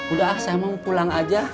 udah ah saya mau pulang aja